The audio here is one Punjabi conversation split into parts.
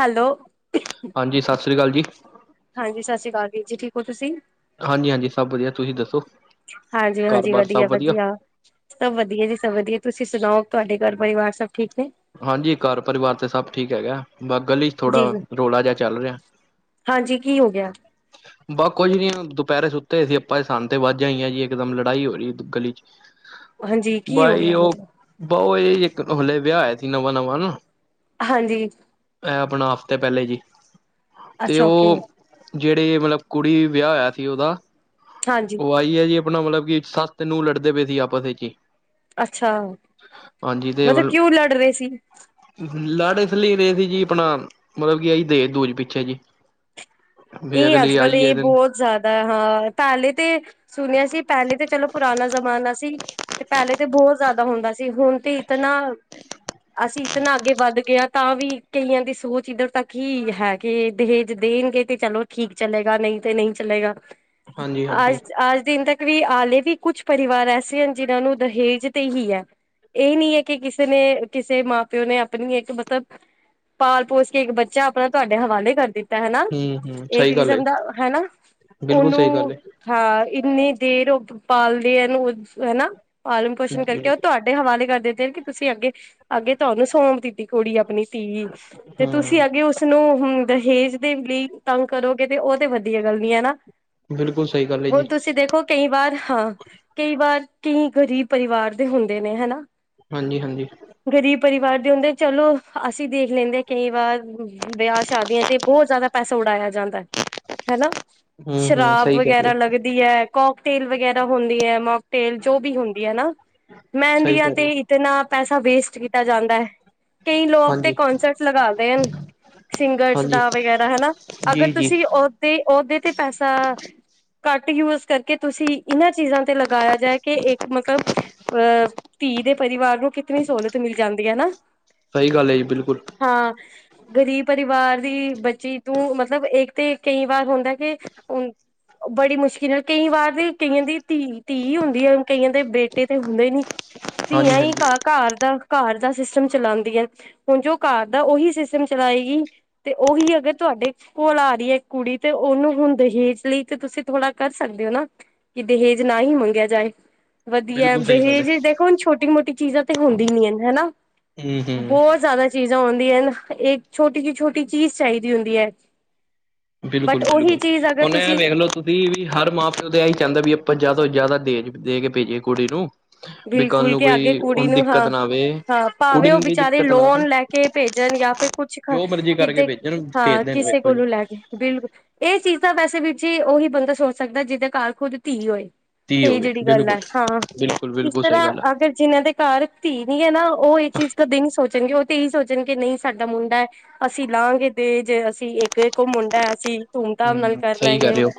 ਹੈਲੋ। ਹਾਂਜੀ। ਸਤਿ ਸ੍ਰੀ ਅਕਾਲ ਜੀ। ਹਾਂਜੀ। ਸਤਿ ਸ਼੍ਰੀ ਅਕਾਲ ਜੀ। ਠੀਕ ਹੋ ਤੁਸੀਂ। ਹਾਂਜੀ, ਹਾਂਜੀ। ਸਭ ਵਧੀਆ ਤੁਸੀਂ ਦੱਸੋ। ਹਾਂਜੀ, ਘਰ ਹਾਂਜੀ। ਬਾਰ ਸਭ ਵਧੀਆ ਵਧੀਆ। ਸਭ ਵਧੀਆ ਜੀ ਸਭ ਵਧੀਆ ਤੁਸੀਂ ਸੁਣਾਓ ਤੁਹਾਡੇ ਘਰ ਪਰਿਵਾਰ ਸਭ ਠੀਕ ਨੇ ਹਾਂਜੀ। ਘਰ ਪਰਿਵਾਰ ਤੇ ਸਭ ਠੀਕ ਹੈਗਾ। ਬਸ ਗਲੀ ਹੀ ਜੀ ਥੋੜਾ ਜੀ ਰੌਲਾ ਜਿਹਾ ਚੱਲ ਰਿਹਾ। ਹਾਂਜੀ। ਕੀ ਹੋ ਗਿਆ? ਬਸ ਕੁੱਝ ਨੀ ਦੁਪਹਿਰੇ ਸੁੱਤੇ ਸੀ ਆਪਾਂ ਸਾਨੂੰ ਤੇ ਵਾਜਾ ਆਈਆ ਜੀ ਇੱਕ ਦਮ ਲੜਾਈ ਹੋ ਰਹੀ ਗਲੀ ਚ। ਹਾਂਜੀ ਕੀ ਹੋ ਬਾਈ ਗਿਆ ਉਹ ਮਤਲਬ ਬ ਉਹ ਇਹ ਇੱਕ ਹਲੇ ਵਿਆਹ ਹੋਇਆ ਸੀ ਨਵਾਂ ਨਵਾਂ ਹਨਾਂ। ਹਾਂਜੀ। ਹੈ ਆਪਣਾ ਹਫ਼ਤੇ ਪਹਿਲੇ ਜੀ ਤੇ ਅੱਛਾ ਓਕੇ ਉਹ ਜਿਹੜੇ ਮਤਲਬ ਕੁੜੀ ਵਿਆਹ ਹੋਇਆ ਸੀ ਉਹਦਾ ਹਾਂਜੀ ਉਹ ਆਈ ਹੈ ਜੀ। ਆਪਣਾ ਮਤਲਬ ਕਿ ਸਸ ਤੇ ਨੂੰਹ ਨੂੰ ਲੜਦੇ ਪਏ ਸੀ ਆਪਸ ਵਿੱਚ ਈ। ਅੱਛਾ ਮਤਲਬ ਕਿਉਂ ਲੜ ਰਹੇ ਸੀ। ਲਾੜ ਇਸ ਲਈ ਰਹੇ ਸੀ ਜੀ ਆਪਣਾ ਮਤਲਬ ਕੀ ਆ ਦਹੇਜ ਦੂਜ ਪਿੱਛੇ ਜੀ। ਵੀ ਇਹ ਅਗਲੀ ਅੱਜ ਕੱਲ ਆਈ ਹੈ ਇਹ ਦਿਨ ਬਹੁਤ ਜ਼ਿਆਦਾ। ਹਾਂ, ਪਹਿਲੇ ਤੇ ਸੁਣਿਆ ਸੀ ਪਹਿਲੇ ਤਾਂ ਚਲੋ ਪੁਰਾਣਾ ਜ਼ਮਾਨਾ ਸੀ। ਤੇ ਪਹਿਲੇ ਤੇ ਬਹੁਤ ਜ਼ਿਆਦਾ ਹੁੰਦਾ ਸੀ ਹੁਣ ਤੇ ਇਤਨਾ ਅਸੀਂ ਇਤਨਾ ਅੱਗੇ ਵੱਧ ਗਏ ਹਾਂ ਤਾਂ ਵੀ ਕਈਆਂ ਦੀ ਸੋਚ ਇੱਧਰ ਤੱਕ ਈ ਹੈ। ਕੇ ਦਹੇਜ ਦੇਣਗੇ। ਤੇ ਚਲੋ ਠੀਕ ਚਲੇਗਾ ਨਹੀਂ ਤੇ ਨਹੀਂ ਚਲੇਗਾ ਹਾਂਜੀ-ਹਾਂਜੀ ਅੱਜ ਅੱਜ ਦਿਨ ਤੱਕ ਵੀ ਆਲੇ ਵੀ ਕੁਛ ਪਰਿਵਾਰ ਐਸੇ ਹਨ ਜਿਨਾਂ ਨੂੰ ਦਹੇਜ ਤੇ ਹੀ ਹੈ। ਇਹ ਨੀ ਹੈ ਕਿ ਕਿਸੇ ਨੇ ਕਿਸੇ ਮਾਂ ਪਿਓ ਨੇ ਆਪਣੀ ਹੈ ਮਤਲਬ ਪਾਲ ਪੋਸ ਕੇ ਇੱਕ ਬੱਚਾ ਆਪਣਾ ਤੁਹਾਡੇ ਹਵਾਲੇ ਕਰ ਦਿੱਤਾ ਹਨਾ। ਹੂੰ ਹੂੰ ਇੱਕ ਸਹੀ ਗੱਲ ਹੈ ਕਿਸਮ ਦਾ ਹਨਾ ਬਿਲਕੁਲ ਉਹਨੂੰ ਸਹੀ ਗੱਲ ਹੈ। ਹਾਂ ਇੰਨੀ ਦੇਰ ਉਹ ਪਾਲਦੀ ਹੈਨ ਹਨਾ ਪਾਲਣ ਪੋਸ਼ਣ ਕਰਕੇ ਉਹ ਤੁਹਾਡੇ ਦੇ ਹਵਾਲੇ ਕਰ ਦਿੱਤੇ ਨੇ ਕਿ ਤੁਸੀਂ ਅੱਗੇ ਅੱਗੇ ਤੁਹਾਨੂੰ ਸੌਂਪ ਦਿੱਤੀ ਕੁੜੀ ਆਪਣੀ ਤੇ ਤੁਸੀਂ ਹੂੰ ਅਗੇ ਉਸਨੂੰ ਹੂੰ ਦਹੇਜ ਦੇ ਲਈ ਤੰਗ ਕਰੋਗੇ ਤੇ ਉਹ ਤੇ ਵਧੀਆ ਗੱਲ ਨਈ ਐ ਨਾ ਬਿਲਕੁਲ ਸਹੀ ਗੱਲ ਹੈ ਓਰ ਜੀ ਤੁਸੀਂ ਦੇਖੋ ਕਈ ਵਾਰ ਹਾਂ ਕਈ ਵਾਰ ਕਈ ਗਰੀਬ ਪਰਿਵਾਰ ਦੇ ਹੁੰਦੇ ਨੇ ਹਨਾ ਹਾਂਜੀ ਹਾਂਜੀ ਗ਼ਰੀਬ ਪਰਿਵਾਰ ਦੇ ਹੁੰਦੇ ਚਲੋ ਅਸੀਂ ਦੇਖ ਲੈਂਦੇ ਹਾਂ ਕਈ ਵਾਰ ਵਿਆਹ ਸ਼ਾਦੀਆਂ ਤੇ ਬਹੁਤ ਜ਼ਿਆਦਾ ਪੈਸਾ ਉਡਾਇਆ ਜਾਂਦਾ ਐ ਹਨਾ ਹੂੰ-ਹੂੰ ਸ਼ਰਾਬ ਸਹੀ ਕਹਿ ਰਹੇ ਵਗੈਰਾ ਹੋ। ਲੱਗਦੀ ਦੀ ਹੈ ਕੋਕ ਟੇਲ ਵਗੈਰਾ ਹੁੰਦੀ ਐ ਮੋਕ ਟੇਲ ਜੋ ਵੀ ਹੁੰਦੀ ਐ ਨਾ ਸਹੀ ਮਹਿੰਦੀਆਂ ਕਹਿ ਤੇ ਰਹੇ ਹੋ ਇਤਨਾ ਪੈਸਾ ਵੇਸਟ ਕੀਤਾ ਜਾਂਦਾ ਐ ਕਈ ਲੋਕ ਤੇ ਹਾਂਜੀ-ਹਾਂਜੀ ਕੋਂਸਰਟ ਲਗਾਦੇ ਹਨ ਸਿੰਗਰਸ ਦਾ ਵਗੈਰਾ ਹਨਾ ਅਗਰ ਜੀ-ਜੀ ਤੁਸੀਂ ਓਤੇ ਓਦੇ ਤੇ ਪੈਸਾ ਘੱਟ ਯੂਜ ਕਰਕੇ ਤੁਸੀਂ ਇਨਾਂ ਚੀਜ਼ਾਂ ਤੇ ਲਗਾਇਆ ਜਾਏ ਕੇ ਇੱਕ ਮਤਲਬ ਅਹ ਧੀ ਦੇ ਪਰਿਵਾਰ ਨੂੰ ਕਿਤਨੀ ਸਹੂਲਤ ਮਿਲ ਜਾਂਦੀ ਐ ਨਾ। ਸਹੀ ਗੱਲ ਐ ਜੀ ਬਿਲਕੁਲ। ਹਾਂ, ਗਰੀਬ ਪਰਿਵਾਰ ਦੀ ਬੱਚੀ ਤੂੰ ਮਤਲਬ ਇੱਕ ਤੇ ਕਈ ਵਾਰ ਹੁੰਦਾ ਕਿ ਅ ਬੜੀ ਮੁਸ਼ਕਿਲ ਨਾਲ ਕਈ ਵਾਰ ਦੀ ਕਈਆਂ ਦੀ ਧੀ ਧੀ ਹੁੰਦੀ ਐ, ਕਈਆਂ ਦੇ ਬੇਟੇ ਤੇ ਹੁੰਦੇ ਨੀ। ਧੀਆਂ ਈ ਹਾਂਜੀ-ਹਾਂਜੀ ਘ ਘਰ ਦਾ ਘਰ ਦਾ ਸਿਸਟਮ ਚਲਾਂਦੀਆਂ। ਹੁਣ ਜੋ ਘਰ ਦਾ ਉਹੀ ਸਿਸਟਮ ਚਲਾਏਗੀ ਤੇ ਉਹੀ ਅਗਰ ਤੁਹਾਡੇ ਕੋਲ ਆ ਰਹੀ ਐ ਇੱਕ ਕੁੜੀ ਤੇ ਉਹਨੂੰ ਹੁਣ ਦਹੇਜ ਲਈ ਤੇ ਤੁਸੀਂ ਥੋੜ੍ਹਾ ਕਰ ਸਕਦੇ ਔ ਨਾ। ਕਿ ਦਹੇਜ ਨਾ ਹੀ ਮੰਗਿਆ ਜਾਏ। ਵਧੀਆ ਬਿਲਕੁਲ ਸਹੀ ਗੱਲ ਹੈ ਦਹੇਜ ਦੇਖੋ ਹੁਣ ਛੋਟੀ ਮੋਟੀ ਚੀਜ਼ਾਂ ਤੇ ਹੁੰਦੀ ਈ ਨੀ ਏ ਹਨਾਂ। ਹਂ, ਹਂ ਚੀਜ਼ਾਂ ਹੁੰਂਦੀਆਂ ਹਨਾਂ ਇਹ ਛੋਟੀ ਤੋਂ ਛੋਟੀ ਚੀਜ਼ ਚਾਹੀਦੀ ਹੁੰਦੀ ਐ। ਬਿਲਕੁਲ ਬਿਲਕੁਲ, ਹੁਨ ਏ ਵੇਖਲੋ ਤੁ ਵੀ ਹਰ ਮਾਂ ਪਿਓ ਤਾਂ ਇਹੀ ਚਾਹੁੰਦਾ ਵੀ ਆਪਾਂ ਜ਼ਿਆਦਾ ਤੋਂ ਜ਼ਿਆਦਾ ਦੇ ਦੇ ਕੇ ਭੇਜੀਏ ਕੁੜੀ ਨੂੰ। ਵੀ ਕੱਲ ਬਿਲਕੁਲ ਨੂੰ ਕੇ ਅਗੇ ਕੋਈ ਕੁੜੀ ਉਹਨੂੰ ਨੂੰ ਦਿੱਕਤ ਹਾਂ, ਨਾ ਆਵੇ ਹਾਂ ਕੁੜੀ ਭਾਵੇਂ ਉਹ ਨੂੰ ਵੀ ਵਿਚਾਰੇ ਦਿੱਕਤ ਨਾ ਆਵੇ ਲੋਨ ਲੈ ਕੇ ਕੇ ਭੇਜਣ ਜਾਂ ਫਿਰ ਕੁਛ ਕ ਜੋ ਮਰਜ਼ੀ ਕਿ ਕਰਕੇ ਜੇ ਭੇਜਣ ਹਾਂ ਭੇਜ ਦੇਣ ਕਿਸੇ ਵੇਖੋ ਜੀ ਕੋਲੋਂ ਲੈ ਕੇ ਬਿਲਕੁਲ ਇਹ ਚੀਜ਼ ਤਾਂ ਵੈਸੇ ਵਿੱਚ ਹੀ ਉਹੀ ਬੰਦਾ ਸੋਚ ਸਕਦਾ ਜਿਹਦੇ ਘਰ ਖੁੱਦ ਧੀ ਹੋਏ। ਧੀ ਸਹੀ ਹੋਵੇ ਜਿਹੜੀ ਗੱਲ ਬਿਲਕੁਲ ਐ, ਹਾਂ ਬਿਲਕੁਲ ਇਸ ਬਿਲਕੁਲ ਸਹੀ ਤਰ੍ਹਾਂ ਗੱਲ ਆ ਅਗਰ ਜਿਨਾਂ ਦੇ ਘਰ ਧੀ ਨੀ ਐ ਨਾ ਉਹ ਇਹ ਚੀਜ਼ ਕਦੇ ਨੀ ਸੋਚਣਗੇ ਉਹ ਤੇ ਇਹੀ ਸੋਚਣਗੇ ਨਈਂ ਸਾਡਾ ਮੁੰਡਾ ਐ। ਅਸੀਂ ਲਾਂਹਗੇ ਦੇਜੇ ਅਸੀਂ ਇੱਕ ਇੱਕ ਮੁੰਡਾ ਅਸੀਂ ਧੂਮ-ਧਾਮ ਨਾਲ ਹਮ ਕਰ ਸਹੀ ਕਹਿ ਲਾਂਗੇ। ਰਹੇ ਹੋ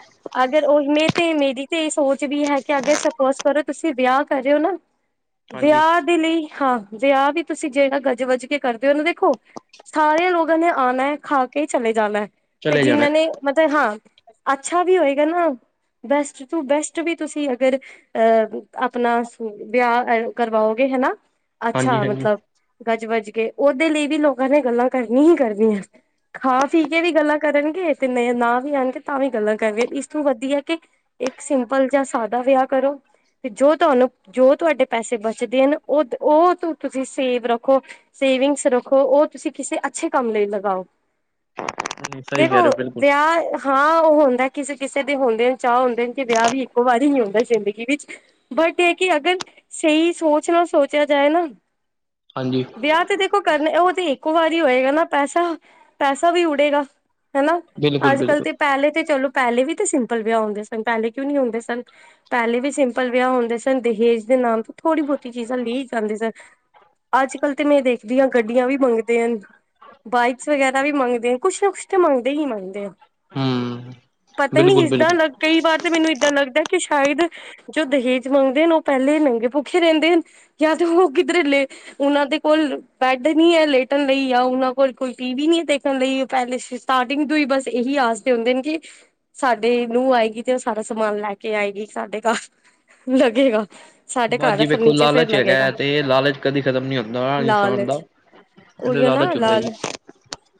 ਅਗਰ ਉਹੀ ਮ ਤੇ ਮੇਰੀ ਤੇ ਇਹ ਸੋਚ ਵੀ ਹੈ ਕਿ ਅਗਰ ਸਪੋਜ ਕਰੋ ਤੁਸੀਂ ਵਿਆਹ ਕਰਿਓ ਨਾ ਹਾਂਜੀ ਵਿਆਹ ਦੇ ਲਈ ਹਾਂ, ਵਿਆਹ ਵੀ ਤੁਸੀਂ ਜਿਹੜਾ ਗਜ-ਵੱਜ ਕੇ ਕਰਦੇ ਓਨਾਂ ਦੇਖੋ ਸਾਰੇ ਲੋਕਾਂ ਨੇ ਆਣਾ ਐ, ਖਾ ਕੇ ਚਲੇ ਜਾਣਾ ਤੇ ਚਲੇ ਜਾਣਾ ਜਿਨਾਂ ਨੇ ਮਤਲਬ ਹਾਂ, ਅੱਛਾ ਵੀ ਹੋਏਗਾ ਨਾ ਬੈਸਟ ਟੂ ਬੈਸਟ ਵੀ ਤੁਸੀਂ ਅਗਰ ਅ ਆਪਣਾ ਵਿਆਹ ਕਰਵਾਓਗੇ ਹਨਾਂ, ਹਾਂਜੀ ਅੱਛਾ ਹਾਂਜੀ ਮਤਲਬ ਗਜ-ਵੱਜ ਕੇ ਉਹਦੇ ਲਈ ਵੀ ਲੋਕਾਂ ਨੇ ਗੱਲਾਂ ਕਰਨੀ ਹੀ ਕਰਨੀ ਐ। ਖਾ ਪੀ ਕੇ ਵੀ ਗੱਲਾਂ ਕਰਨਗੇ ਤੇ ਨ ਨਾ ਵੀ ਆਣਗੇ ਤਾਂ ਵੀ ਗੱਲਾਂ ਕਰਨਗੇ ਇਸਨੂੰ ਵਧੀਆ ਕਿ ਇੱਕ ਸਿੰਪਲ ਜਿਆ ਸਾਦਾ ਵਿਆਹ ਕਰੋ ਤੇ ਜੋ ਤੁਹਾਨੂੰ ਜੋ ਤੁਹਾਡੇ ਪੈਸੇ ਬਚਦੇ ਐਨਾਂ, ਉਹ ਉਹ ਤੁਸੀਂ ਸੇਵ ਰੱਖੋ। ਸੇਵਿੰਗਸ ਰੱਖੋ, ਉਹ ਤੁਸੀਂ ਕਿਸੇ ਅੱਛੇ ਕੰਮ ਲਈ ਲਗਾਓ। ਸਹੀ ਕਹਿ ਰਹੇ ਹੋ ਦੇਖੋ ਬਿਲਕੁਲ ਵਿਆਹ ਹਾਂ ਉਹ ਹੁੰਦਾ ਕਿਸੇ ਕਿਸੇ ਦੇ ਹੁੰਦੇ ਨੇ, ਚਾਹ ਹੁੰਦੇ ਨੇ ਤੇ ਵਿਆਹ ਵੀ ਇੱਕੋ ਵਾਰੀ ਹੀ ਹੁੰਦਾ ਜ਼ਿੰਦਗੀ ਵਿੱਚ ਬਟ ਇਹ ਕਿ ਅਗਰ ਸਹੀ ਸੋਚ ਨਾਲ ਸੋਚਿਆ ਜਾਏ ਨਾ ਹਾਂਜੀ। ਵਿਆਹ ਤੇ ਦੇਖੋ ਕਰਨੇ ਉਹ ਤੇ ਇੱਕੋ ਵਾਰੀ ਹੋਏਗਾ ਨਾ ਪੈਸਾ, ਪੈਸਾ ਵੀ ਉਡੇਗਾ। ਹਨਾਂ, ਬਿਲਕੁਲ ਅੱਜ-ਕੱਲ ਬਿਲਕੁਲ ਤੇ ਪਹਿਲੇ ਤੇ ਚਲੋ। ਪਹਿਲੇ ਵੀ ਤਾਂ ਸਿੰਪਲ ਵਿਆਹ ਹੁੰਦੇ ਸਨ, ਪਹਿਲੇ ਕਿਉਂ ਨੀ ਹੁੰਦੇ ਸਨ, ਪਹਿਲੇ ਵੀ ਸਿੰਪਲ ਵਿਆਹ ਹੁੰਦੇ ਸਨ, ਦਹੇਜ ਦੇ ਨਾਮ ਤੋਂ ਥੋੜ੍ਹੀ ਬਹੁਤੀ ਚੀਜ਼ਾਂ ਲਈ ਜਾਂਦੇ ਸਨ। ਅੱਜ-ਕੱਲ੍ਹ ਤੇ ਮੈਂ ਦੇਖਦੀ ਆਂ, ਗੱਡੀਆਂ ਵੀ ਮੰਗਦੇ ਹਨ। ਬਾਈਕਸ ਵਗੈਰਾ ਵੀ ਮੰਗਦੇ ਆ, ਕੁਛ ਨਾ ਕੁਛ ਤਾਂ ਮੰਗਦੇ ਹੀ ਮੰਗਦੇ ਆ। ਹਮ ਪਤਾ ਨੀ [unintelligible] ਬਿਲਕੁਲ ਬਿਲਕੁਲ ਏਦਾ ਕਈ ਵਾਰ ਤੇ ਮੈਨੂੰ ਏਦਾਂ ਲੱਗਦਾ ਕਿ ਸ਼ਾਇਦ ਜੋ ਦਹੇਜ ਮੰਗਦੇ ਹਨ, ਉਹ ਪਹਿਲੇ ਨੰਗੇ ਭੁੱਖੇ ਰਹਿੰਦੇ ਹਨ ਜਾਂ ਤੇ ਉਹ ਕਿਧਰੇਲੇ। ਉਨਾਂ ਦੇ ਕੋਲ ਬੈੱਡ ਨੀ ਐ ਲੇਟਣ ਲਈ, ਯਾ ਉਨਾਂ ਕੋਲ ਕੋਈ ਟੀਵੀ ਨੀ ਐ ਦੇਖਣ ਲਈ। [unintelligible] ਸਟਾਰਟਿੰਗ ਤੋਂ ਹੀ, ਬਸ ਏਹੀ ਆਸ ਤੇ ਹੁੰਦੇ ਨੇ ਕਿ। ਸਾਡੇ ਨੂੰਹ ਆਏਗੀ ਤੇ ਓ ਸਾਰਾ ਸਮਾਨ ਲੈ ਕੇ ਆਏਗੀ ਸਾਡੇ ਘਰ। ਲੱਗੇਗਾ। ਸਾਡੇ ਬਸ ਘਰ ਦਾ ਜੀ, ਵੇਖੋ ਫਰਨੀਚਰ ਫਿਰ ਲਾਲਚ ਹੈਗਾ, ਲੱਗੇਗਾ ਤੇ ਲਾਲਚ ਕਦੀ ਖਤਮ ਨੀ ਹੁੰਦਾ ਇਨਸਾਨ ਦਾ। ਓਈ ਤੇ ਐ ਨਾ ਲਾਲਚ ਹੁੰਦਾ ਜੀ ਲਾਲ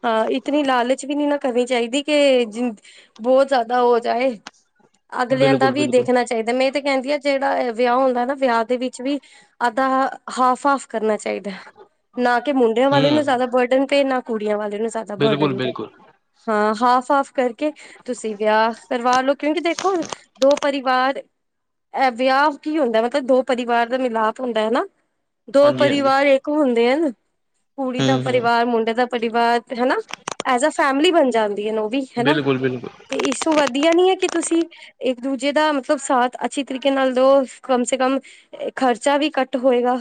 ਹਾਂ, ਇਤਨੀ ਲਾਲਚ ਵੀ ਨੀ ਨਾ, ਕਰਨੀ ਚਾਹੀਦੀ ਕਿ ਜਿੰਦ ਬੋਤ ਜਾਦਾ ਹੋ ਜਾਏ, ਅਗਲੇਆਂ ਦਾ ਬਿਲਕੁਲ ਵੀ ਬਿਲਕੁਲ ਦੇਖਣਾ ਚਾਈਦਾ, ਮੈ। ਤੇ, ਕੇਂਦੀ ਆ ਜੇਹੜਾ ਵਿਆਹ ਹੁੰਦਾ ਨਾ, ਵਿਆਹ ਦੇ ਵਿੱਚ ਵੀ। ਅੱਧਾ, ਹਾਫ -ਹਾਫ ਕਰਨਾ ਚਾਈਦਾ। ਨਾ ਕਿ ਮੁੰਡਿਆਂ ਵਾਲੇ ਨੂੰ ਹਮ ਜ਼ਾਦਾ ਬਰਡਨ ਪਏ, ਨਾ ਕੁੜੀਆਂ ਵਾਲੇ ਨੂੰ ਜ਼ਾਦਾ ਬਿਲਕੁਲ ਬਰਡਨ ਪਏ। ਬਿਲਕੁਲ ਹਾਂ, ਹਾਫ -ਹਾਫ ਕਰਕੇ ਤੁਸੀਂ ਵਿਆਹ ਕਰਵਾ ਲੋੋ, ਕਿਉਂਕਿ ਦੇਖੋ, ਹੁਣ। ਦੋ, ਪਰਿਵਾਰ। ਐ ਵਿਆਹ ਕੀ ਹੁੰਦਾ, ਮਤਲਬ ਦੋ ਪਰਿਵਾਰ ਦਾ ਮਿਲਾਪ ਹੁੰਦਾ ਐ ਨਾ, ਦੋ ਹਾਂਜੀ ਹਾਂਜੀ ਪਰਿਵਾਰ ਇੱ ਇਕ ਹੁੰਦੇ ਅ ਨ, ਕੁੜੀ ਦਾ ਹਮ ਹਮ ਪਰਿਵਾਰ, ਮੁੰਡੇ ਦਾ ਪਰਿਵਾਰ, ਹੈਨਾ, ਐਜ ਆ ਫੈਮਲੀ ਬਣ ਜਾਂਦੀ ਐ ਨਾ ਓ ਵੀ, ਹੈਨਾ, ਬਿਲਕੁਲ ਬਿਲਕੁਲ ਤੇ ਇਸ ਵਧੀਆ ਨੀ ਐ, ਕਿ ਤੁਸੀਂ, ਇੱਕ ਦੂਜੇ ਦਾ ਮਤਲਬ ਸਾਥ। ਅੱਛੀ ਤਰੀਕੇ ਨਾਲ ਦੋ, ਕਮ ਸੇ ਕਮ ਖਰਚਾ ਵੀ ਘੱਟ ਹੋਏਗਾ।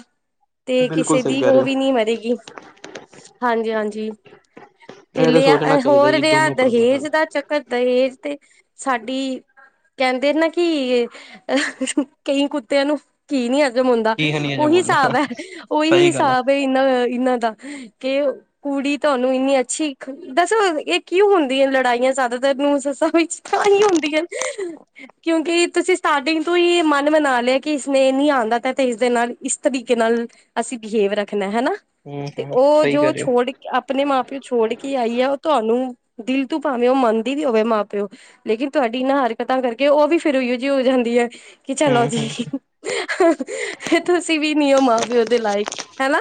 ਤੇ, ਬਿਲਕੁਲ ਕਿਸੇ ਸਹੀ ਦੀ ਕਹਿ ਓ ਰਹੇ ਵੀ ਨੀਂ ਮਰੇਗੀ। ਹਾਂਜੀ -ਹਾਂਜੀ, ਤੇ ਹੋ ਇਹ ਤਾਂ ਲਿਆ, ਸੋਚਣਾ ਚਾਹੀਦਾ ਹੋਰ ਜੀ ਰਿਹਾ ਦੋਨੋ ਪਰਿਵਾਰਾਂ ਦਹੇਜ ਨੂੰ ਦਾ ਚੱਕ ਰ, ਦਹੇਜ ਤੇ ਸਾਡੀ, ਕੈਂਦੇ ਨਾ ਕਿ ਕਈਂ ਕੁੱਤਿਆਂ ਨੂੰ ਘੀ ਨੀ ਹਜ਼ਮ ਹੁੰਦਾ, ਕੀ ਹੈ ਨੀ ਅਜਮ ਓਹੀ ਹੁੰਦਾ ਹਿਸਾਬ ਐ, ਓਹੀ ਸਹੀ ਗੱਲ ਹੈ ਹਿਸਾਬ ਐ ਇਨਾਂ- ਇਨਾਂ ਦਾ। [unintelligible] ਕੁੜੀ, ਤੁਆਨੂੰ ਇੰਨੀ ਅੱਛੀ ਦੱਸੋ, ਏਹ ਕਿਉਂ ਹੁੰਦੀ ਐ? ਲੜਾਈਆਂ ਜ਼ਿਆਦਾਤਰ ਨੂੰਹ ਸੱਸਾ ਵਿੱਚ। ਤਾਂ ਹੀ ਹੁੰਦੀਆਂ ਨ, ਕਿਉਂਕਿ ਤੁਸੀ। ਸਟਾਟਿੰਗ ਤੋਂ ਹੀ ਮਨ ਮਨਾ ਲਿਆ, ਕਿ ਇਸਨੇ ਨੀਂ ਆਂਦਾ ਤਾਂ, ਤੇ ਇਸਦੇ ਨਾਲ ਇਸ ਤਰੀਕੇ ਨਾਲ। ਅਸੀ ਬਿਹੇਵ ਰੱਖਨਾ ਹੈਨਾ, ਹਮ ਤੇ ਹਮ ਓ ਸਹੀ ਜੋ ਕਰ ਰਹੇ ਹੋ ਛੋੜ ਕੇ, ਆਪਣੇ ਮਾਂ ਪਿਓ ਛੋੜ ਕੇ ਆਈ ਐ, ਓ ਤੁਆਨੂੰ ਦਿਲ ਤੋਂ ਭਾਵੇਂ ਓ ਮੰਨਦੀ ਵੀ ਹੋਵੇ ਮਾਂ ਪਿਓ। ਲੇਕਿਨ ਤੁਆਡੀ ਇਨਾਂ ਹਰਕਤਾਂ ਕਰਕੇ ਓ ਵੀ ਫੇਰ ਓਈਓ ਜੇਹੀ ਹੋ ਜਾਂਦੀ ਐ ਕਿ, ਚਲੋ ਹਮ ਜੀ। ਹਮ ਤੁਸੀ ਵੀ ਨੀ ਓ, ਮਾਂ- ਪਿਓ ਦੇ ਲਾਇਕ, ਹੈਨਾ।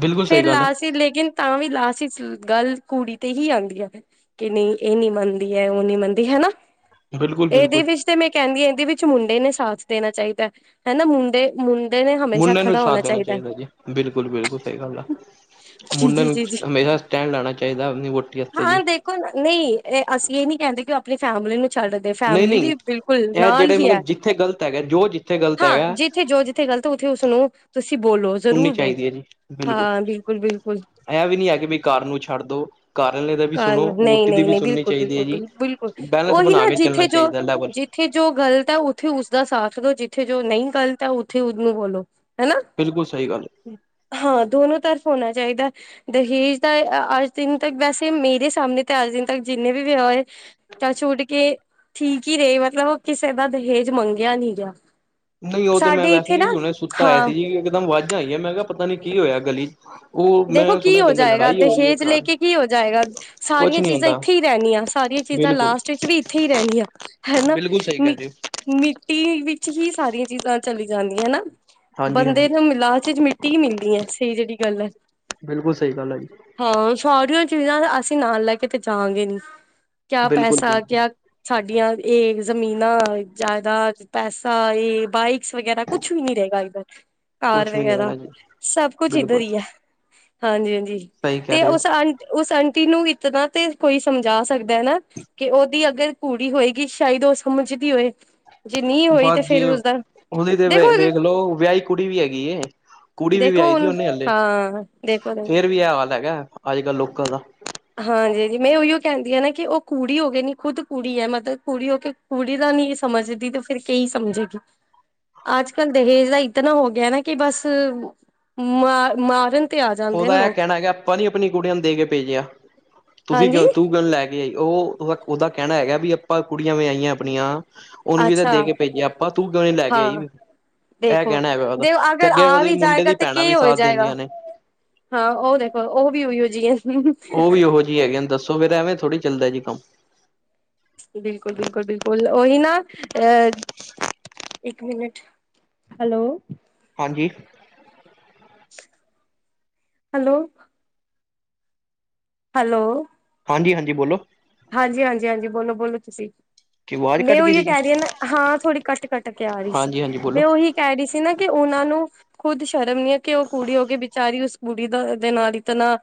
ਬਿਲਕੁਲ ਸਹੀ ਫੇਰ, ਗੱਲ ਹੈ ਲਾਸਟ 'ਚ ਲੇਕਿਨ ਤਾਂ ਵੀ ਲਾਸਟ 'ਚ ਗੱਲ ਕੁੜੀ ਤੇ ਹੀ ਆਂਦੀ ਐ ਫੇਰ। ਕਿ, ਨਈ ਏਹ ਨੀ ਮੰਨਦੀ ਐ, ਓ ਨੀਂ ਮੰਨਦੀ, ਹੈ‌ਨਾ। ਬਿਲਕੁਲ ਏਹਦੇ ਬਿਲਕੁਲ ਵਿੱਚ ਤੇ ਮੈਂ ਕੈੰਦੀ ਹਾਂ, ਏਹਦੇ ਵਿੱਚ ਮੁੰਡੇ ਨੇ ਸਾਥ ਦੇਨਾ ਚਾਈਦਾ, ਹੈਨਾ ਮੁੰਡੇ। ਮੁੰਡੇ ਨੇ, [unintelligible] ਮੁੰਡੇ ਨੂੰ ਹੋਣਾ ਸਾਥ ਦੇਣਾ ਚਾਹੀਦਾ ਚਾਈਦਾ ਜੀ, ਬਿਲਕੁਲ- ਬਿਲਕੁਲ ਸਈ ਗੱਲ ਆ। ਜੀ ਮੁੰਡੇ ਜੀ ਨੂੰ ਜੀ ਜੀ ਹਮੇਸ਼ਾ ਸਟੈਂਡ ਲੈਣਾ ਚਾਈਦਾ, ਆਪਨੀ ਵਹੁਟੀ ਹਾਂ ਦੇਖੋ ਨਈ, ਏਹ ਅਸੀਂ ਏਹ ਨੀਂ, ਕੈੰਦੇ ਕਿ ਓ ਆਪਣੀ ਫੈਮਿਲੀ ਨੂੰ ਛੱਡ ਦੇ, ਨਹੀਂ ਫੈਮਲੀ ਨਹੀਂ ਵੀ ਬਿਲਕੁਲ ਇਹ ਨਾਲ ਜਿਹੜੇ ਹੀ ਹੈ, ਮਤਲਬ ਜਿੱਥੇ ਗ਼ਲਤ ਹੈਗਾ ਜੋ ਜਿੱਥੇ ਗ਼ਲਤ ਹਾਂ ਹੈਗਾ ਜਿੱਥੇ ਜੋ। ਜਿੱਥੇ ਗ਼ਲਤ, ਉੱਥੇ ਉਸਨੂੰ ਤੁਸੀਂ ਬੋਲੋ, ਸੁਣਨੀ ਜ਼ਰੂਰ ਬੋਲੋ, ਚਾਹੀਦੀ ਹਾਂ, ਬਿਲਕੁਲ -ਬਿਲਕੁਲ। ਐ ਵੀ ਨੀਂ ਹੈ, ਕਿ ਬਈ ਘਰ ਨੂੰ ਛੱਡ ਦੋ। ਘਰ ਆਲੇ ਦਾ ਵੀ ਸੁਣੋ, ਕਾਰਨ ਨਹੀਂ ਵੋਟੀ ਦੀ ਨਹੀਂ ਵੀ ਨਹੀਂ ਸੁਣਨੀ ਬਿਲਕੁਲ ਚਾਈਦੀ ਹੈ ਬਿਲਕੁਲ ਜੀ, ਬਿਲ ਬਿਲਕੁਲ ਬੈਲੈਂਸ ਉਹੀ ਬਣਾ ਨਾ ਕੇ ਚੱਲਣਾ ਜਿੱਥੇ ਜੋ ਚਾਈਦਾ, ਲੈਵਲ। ਜਿੱਥੇ ਜੋ ਗਲਤ ਐ, ਉੱਥੇ ਉਸਦਾ ਸਾਥ ਦੋ, ਜਿੱਥੇ ਜੋ ਨਈ ਗ਼ਲਤ ਐ, ਉੱਥੇ ਉਸਨੂੰ ਬੋਲੋ, ਹੈਨਾ। ਬਿਲਕੁਲ, ਸਹੀ ਗੱਲ। ਹਾਂ, ਦੋਨੋ ਤਰਫ਼ ਹੋਣਾ ਚਾਹੀਦਾ। ਦਹੇਜ ਦਾ ਅੱਜ ਦਿਨ ਤੱਕ, ਵੈਸ ਤੇ ਮੇਰੇ ਸਾਮਣੇ, ਤੇ ਅੱਜ ਦਿਨ ਤੱਕ ਜਿਨੇ ਵੀ ਵਿਆਹ ਹੋਏ ਟਚਵੁੱਡ ਕੇ ਠੀਕ ਈ ਰਹੇ, ਮਤਲਬ ਓ ਕਿਸੇ ਦਾ ਦਹੇਜ ਮੰਗਿਆ ਨੀ ਗਿਆ। ਨਈ, ਓਤੇ ਮੈਂ ਸਾਡੇ ਵੈਸੇ ਇੱਥੇ ਨਾ ਵੀ ਹੁਨੇ ਸੁੱਤਾ ਹੋਇਆ ਹਾਂ ਸੀ ਜੀ। ਇਕਦਮ ਵਾਜਾਂ ਆਈਆ, ਮੈਂ ਕਿਹਾ ਪਤਾ ਨੀ ਕੀ ਹੋਇਆ ਗਲੀ 'ਚ। ਉਹ ਦੇਖੋ, ਮੈਂ ਕੀ ਸੁਣਿਆ ਹੋ ਕਹਿੰਦੇ ਜਾਏਗਾ? ਲੜਾਈ ਹੋ ਰਹੀ ਹੈ ਦਹੇਜ ਲੈ ਘਰ ਕੇ ਕੀ ਹੋ ਜਾਏਗਾ? ਕੁਛ ਸਾਰੀਆਂ ਨੀ ਚੀਜ਼ਾਂ ਹੁੰਦਾ ਏਥੇ ਈ ਰੈਣੀਆ। ਸਾਰੀਆਂ ਚੀਜ਼ਾਂ ਬਿਲਕੁਲ। ਲਾਸਟ ਵਿੱਚ ਵੀ ਏਥੇ ਹੀ ਰੈਦੀਆਂ ਹੈਨਾ ਬਿਲਕੁਲ ਸਹੀ ਮ ਕਹਿ ਰਹੇ ਹੋ ਮਿੱਟੀ ਵਿੱਚ ਹੀ ਸਾਰੀਆਂ ਚੀਜ਼ਾਂ ਚਲੀ ਜਾਂਦੀਆਂ, ਹੈਨਾ ਹਾਂਜੀ ਬੰਦੇ ਹਾਂਜੀ ਨੂੰ ਮਿਲਾਸ ਚ ਮਿੱਟੀ ਮਿੱਟੀ ਮਿਲਦੀ ਐ ਸਈ ਜੇੜੀ ਗੱਲ ਐ। ਬਿਲਕੁਲ, ਸਹੀ ਗੱਲ ਐ ਜੀ। ਹਾਂ, ਸਾਰੀਆਂ ਚੀਜ਼ਾਂ ਅਸੀਂ ਨਾਲ ਲੈ ਕੇ ਤੇ ਜਾਵਾਂਗੇ ਨੀ ਕਿਆ ਬਿਲਕੁਲ ਪੈਸਾ ਬਿਲਕੁਲ। ਕਿਆ ਸਾਡੀਆਂ ਏ ਜ਼ਮੀਨਾਂ, ਜਾਇਦਾਦ ਪੈਸਾ, ਏ ਬਾਈਕਸ ਵਗੈਰਾ ਕੁਛ ਵੀ ਨੀ ਰਏਗਾ ਓਧਰ ਕਾਰ ਕੁਛ ਵੀ ਨੀ ਵਗੈਰਾ, ਹੋਣਾ ਜੀ ਸਭ ਕੁਛ ਇੱਧਰ ਬਿਲਕੁਲ ਈ ਐ। ਹਾਂਜੀ-ਹਾਂਜੀ ਸਹੀ ਕਹਿ ਤੇ ਰਹੇ ਓਸ ਹੋ ਆ ਓਸ ਆਂਟੀ ਨੂੰ ਇਤਨਾ ਤੇ ਕੋਈ ਸਮਝਾ ਸਕਦਾ ਐ ਨਾ ਕਿ ਓਦੀ ਅਗਰ ਕੁੜੀ ਹੋਏਗੀ ਸ਼ਾਇਦ ਓ ਸਮਝਦੀ ਹੋਏ। ਜੇ ਨਹੀਂ ਹੋਈ ਬਸ ਤੇ ਜੀ, ਫੇਰ ਉਸਦਾ ਓਦੀ ਤੇ ਦੇਖੋ ਵੇਖਲੋ ਵਿਆਹੀ ਕੁੜੀ ਵੀ ਹੈਗੀ ਏ। ਕੁੜੀ ਵੀ ਦੇਖੋ ਵਿਆਹੀ ਹੁਣ ਹਾਂ ਦੇਖੋ-ਦੇਖੋ ਏ ਹਾਲ ਹੈਗਾ ਅੱਜ-ਕੱਲ੍ਹ ਲੋਕਾਂ ਦਾ ਹਾਂਜੀ ਜੀ, ਮੈਂ ਉਹੀਓ ਕੈਦੀ ਆ ਨਾ ਕਿ ਓ ਕੁੜੀ ਹੋ ਕੇ ਨਾ ਖੁਦ ਕੁੜੀ ਐ ਮਤਲਬ ਕੁੜੀ ਹੋ ਕੇ ਕੁੜੀ ਦਾ ਨੀ ਸਮਝਦੀ, ਤੇ ਫੇਰ ਕੀ ਸਮਝੇਗੀ? ਅੱਜ-ਕੱਲ੍ਹ ਦਹੇਜ ਦਾ ਇਤਨਾ ਹੋ ਗਿਆ ਨਾ ਕਿ ਬਸ ਮਾਰ ਮਾਰਨ ਤੇ ਆ ਜਾਂਦੇ ਓਹਦਾ ਨੇ ਐ ਲੋਕ ਕਹਿਣਾ ਹੈਗਾ ਆਪਾਂ ਨੀ ਆਪਣੀ ਕੁੜੀਆਂ ਨੂੰ ਦੇ ਕੇ ਭੇਜਿਆ? ਤੁਸੀਂ ਹਾਂਜੀ ਕਿਉ ਤੂੰ ਕਿਉ ਨੀ ਲੈ ਕੇ ਓ ਓਦਾ ਕੈਹਣਾ ਹੈਗਾ ਵੀ ਆਪਾਂ ਕੁੜੀਆਂ ਵਿਆਈਆ ਆਪਣੀਆਂ। ਓਨੂੰ ਵੀ ਤਾਂ ਅੱਛਾ ਦੇ ਕੇ ਭੇਜਿਆ ਆਪਾਂ ਤੂੰ ਕਿਉਂ ਨੀ ਲੈ ਕੇ ਆਈ ਹਾਂ ਵੀ। ਐ ਦੇਖੋ ਕਹਿਣਾ ਹੈਗਾ ਓਦਾ ਦੇ ਤੇ ਅਗਰ ਅੱਗੇ ਆ ਓਹਦੀ ਵੀ ਮੁੰਡੇ ਜਾਏਗਾ ਦੀ ਤੇ ਭੈਣਾਂ ਕੀ ਵੀ ਹੋ ਸਾਥ ਜਾਏਗਾ ਦੇਦੀਆਂ ਨੇ। ਹਾਂ, ਓ ਦੇਖੋ ਓ ਵੀ ਉਹੀਓ ਜੀ ਏ। ਓਵੀ ਉਹੋ ਜਿਹੀ ਹੈਗੀਆ ਦੱਸੋ ਫੇਰ ਐਵੇਂ ਥੋੜੀ ਚੱਲਦਾ ਜੀ ਕੰਮ? ਬਿਲਕੁਲ, ਬਿਲਕੁਲ, ਬਿਲਕੁਲ ਓਹੀ ਨਾ ਅਹ ਇੱਕ ਮਿੰਟ ਹੈਲੋ। ਹਾਂਜੀ। ਹੈਲੋ ਹੈਲੋ ਹਾਂਜੀ-ਹਾਂਜੀ ਬੋਲੋ। ਹਾਂਜੀ, ਹਾਂਜੀ, ਹਾਂਜੀ ਬੋਲੋ-ਬੋਲੋ ਤੁਸੀਂ। ਕਿ ਆਵਾਜ਼ ਮੈਂ ਕੱਟ ਗਈ ਉਈਓ ਸੀ ਜੀ ਕਹਿ ਰਹੀ ਹਾਂ ਨਾ ਹਾਂ ਥੋੜ੍ਹੀ ਕੱਟ-ਕੱਟ ਕੇ ਆ ਰਹੀ ਸੀ ਹਾਂਜੀ ਹਾਂਜੀ ਬੋਲੋ ਮੈਂ ਉਹੀ ਕੈ ਰਹੀ ਸੀ ਨਾ ਕਿ ਓਨਾਂ ਨੂੰ ਖੁਦ ਸ਼ਰਮ ਨੀ ਐ ਕਿ ਓ ਕੁੜੀ ਹੋਕੇ ਬੇਚਾਰੀ ਉਸ ਬੁੜੀ ਦਾ ਦੇ ਨਾਲ ਇਤਨਾ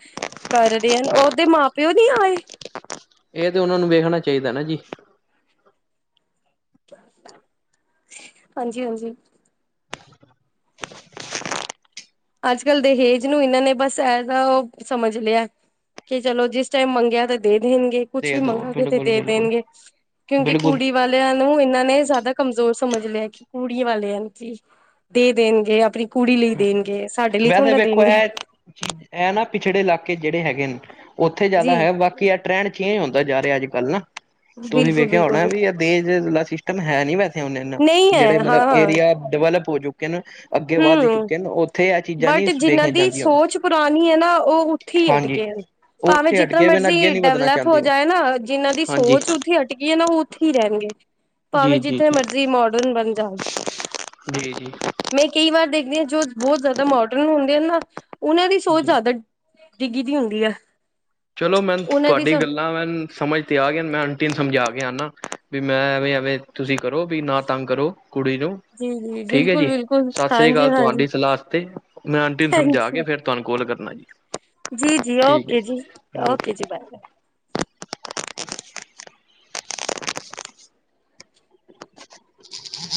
ਕਰ ਰਹੇ ਹਨ, ਓਹਦੇ ਮਾਂ-ਪਿਓ ਨੀ ਆਏ? ਏ ਤੇ ਓਨਾਂ ਨੂੰ ਵੇਖਣਾ ਚਾਈਦਾ ਨਾ ਜੀ। [unintelligible] ਹਾਂਜੀ-ਹਾਂਜੀ। ਅੱਜ-ਕੱਲ ਦਹੇਜ ਨੂੰ ਏਨਾਂ ਨੇ ਬਸ ਏਹਦਾ ਓ ਸਮਝ ਲਿਆ ਕਿ ਚਲੋ, ਜਿਸ ਟਾਈਮ ਮੰਗਿਆ ਤਾਂ ਦੇ ਦੇਣਗੇ। ਕੁਛ ਦੇ ਵੀ ਦੋ ਮੰਗੂਗੇ ਤੇ ਬਿਲਕੁਲ ਦੇ ਬਿਲਕੁਲ ਦੇਣਗੇ, ਕਿਉਂਕਿ ਬਿਲਕੁਲ ਕੁੜੀ ਵਾਲੇ ਨੂੰ ਏਨਾਂ ਨੇ ਜ਼ਿਆਦਾ ਕਮਜ਼ੋਰ ਸਮਝ ਲਿਆ ਕਿ ਕੁੜੀ ਵਾਲੇ ਕੀ ਦੇ ਦੇਣਗੇ ਆਪਣੀ ਕੁੜੀ ਲਈ ਦੇਣਗੇ, ਸਾਡੇ ਲਈ ਥੋੜੀ ਨਾ ਦੇਣਗੇ। ਐ ਨਾ ਪਿਛੜੇ ਇਲਾਕੇ ਜੇੜੇ ਹੈਗੇ ਨੇ, ਉੱਥੇ ਜ਼ਿਆਦਾ ਜੀ। ਹੈ ਬਾਕੀ ਟ੍ਰੈਂਡ ਚੇਂਜ ਹੁੰਦਾ ਜਾ ਰਿਹਾ। ਅੱਜ-ਕੱਲ ਨਾ ਤੁਸੀਂ ਬਿਲਕੁਲ ਵੇਖਿਆ ਬਿਲਕੁਲ ਹੋਣਾ ਵੀ ਬਿਲਕੁਲ ਇਹ ਦਹੇਜ-ਵਹੇਜ ਵਾਲਾ ਸਿਸਟਮ ਹੈ ਨੀ ਵੈਸੇ ਹੁਨ ਏਨਾ, ਨਹੀਂ ਜੇੜੇ ਹੈ ਹਾਂ ਮਤਲਬ ਏਰੀਆ ਡਿਵੈਲਪ ਹੋ ਚੁੱਕੇ ਨੇ। ਅੱਗੇ ਵੱਧ ਹੂੰ ਚੁੱਕੇ ਨੇ ਉੱਥੇ ਇਹ ਚੀਜ਼ਾਂ ਬਟ ਨਹੀਂ ਜਿੰਨਾਂ ਵੇਖੀਆਂ ਦੀ ਜਾਂਦੀਆਂ ਸੋਚ ਪੁਰਾਨੀ ਐ ਨਾ, ਓ ਓਥੇ ਈ ਹਾਂਜੀ ਅਟਕੇ ਨੇ। ਭਾਵੇਂ ਉੱਥੇ ਜਿਤਨਾ ਅਟਕੇ ਪਏ ਨੇ ਅੱਗੇ ਮਰਜ਼ੀ ਨੀ ਵਧਣਾ ਡਿਵਲੈਪ ਹੋ ਚਾਹੁੰਦੇ ਉਹ ਜਾਏ ਨਾ, ਜਿਨਾਂ ਦੀ ਹਾਂਜੀ ਸੋਚ ਓਥੇ ਈ ਅਟਕੀ ਐ ਨਾ ਓ ਓਥੇ ਈ ਰਹਿਨਗੇ, ਭਾਵੇਂ ਜੀ ਜੀ ਜਿਤਨੇ ਜੀ ਮਰਜ਼ੀ ਮੋਡਰਨ ਬਨ ਜਾਓ। ਜੀ-ਜੀ। ਮੈਂ ਕਈ ਵਾਰ ਦੇਖਦੀ ਆਂ ਜੋ ਬੋਤ ਜ਼ਾਦਾ ਮੋਡਰਨ ਹੁੰਦੇ ਆ ਨਾ ਓਨਾਂ ਦੀ ਸੋਚ ਜੀ ਜਾਦਾ ਡਿੱਗੀ ਦੀ ਹੁੰਦੀ ਐ। ਚਲੋ ਮੈਨੂੰ ਤੁਆਡੀ ਗੱਲ ਤਾਂ ਮੈ ਸਮਝ ਤੇ ਆ ਗਿਆ ਮੈਂ ਅੰਟੀ ਨੂੰ ਸਮਝਾ ਕੇ ਆਨਾ ਵੀ ਮੈਂ ਐਵੇਂ-ਐਵੇਂ ਤੁਸੀਂ ਕਰੋ ਵੀ ਨਾ ਤੰਗ ਕਰੋ ਕੁੜੀ ਨੂੰ। ਜੀ ਜੀ ਠੀਕ ਐ ਬਿਲਕੁਲ ਜੀ, ਬਿਲਕੁਲ ਸਸ ਰੀ ਹਾਂਜੀ ਕਾਲ ਹਾਂਜੀ ਤੁਆਡੀ ਸਲਾਹ ਆਸਤੇ, ਮੈਂ ਆਂਟੀ ਨੂੰ ਸਮਝਾ ਕੇ ਫੇਰ ਤਾਨੂੰ ਕੋਲ ਕਰਨਾ ਜੀ। ਜੀ-ਜੀ ਠੀਕ ਓਕੇ ਜੀ, ਹੈ ਓਕੇ ਜੀ ਬਾਏ-ਬਾਏ। [unintelligible]